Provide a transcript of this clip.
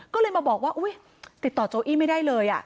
ก็เลยมาบอกว่าอุ๊ยติดต่อโจอี้ไม่ได้เลย